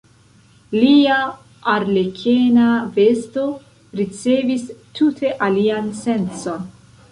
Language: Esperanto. Lia arlekena vesto ricevis tute alian sencon.